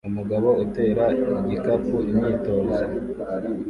Umugabo utera igikapu imyitozo